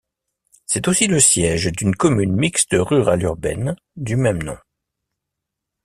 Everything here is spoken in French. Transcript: C'est aussi le siège d'une commune mixte rurale-urbaine du même nom.